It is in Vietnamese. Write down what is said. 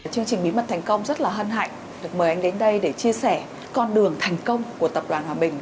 chương trình bí mật thành công rất là hân hạnh được mời anh đến đây để chia sẻ con đường thành công của tập đoàn hòa bình